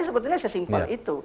sebetulnya sesimpel itu